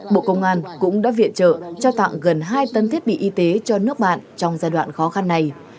bộ công an cũng đã viện trợ trao tặng gần hai tấn thiết bị y tế cho nước bạn trong giai đoạn khó khăn này